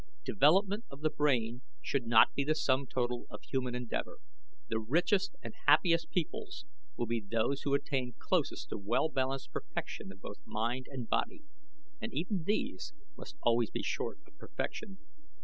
Development of the brain should not be the sum total of human endeavor. The richest and happiest peoples will be those who attain closest to well balanced perfection of both mind and body, and even these must always be short of perfection.